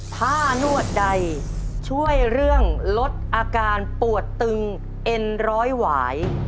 ผ้านวดใดช่วยเรื่องลดอาการปวดตึงเอ็นร้อยหวาย